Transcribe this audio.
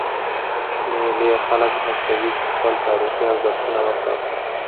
مېلې خلک هڅوي، چي خپل تاریخي ارزښتونه وساتي.